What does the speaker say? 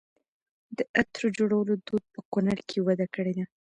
د عطرو جوړولو دود په کونړ کې وده کړې ده.